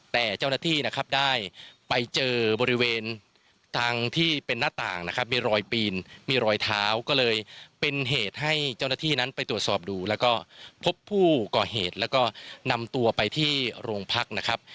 แต่เจ้าหน้าที่นะครับได้ไปเจอบริเวณทางที่เป็นหน้าต่างนะครับมีรอยปีนมีรอยเท้าก็เลยเป็นเหตุให้เจ้าหน้าที่นั้นไปตรวจสอบดูแล้วก็พบผู้ก่อเหตุแล้วก็นำตัวไปที่โรงพักนะครับ